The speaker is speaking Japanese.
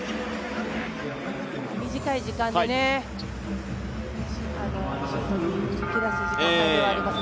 短い時間でシュートを出す時間ではあります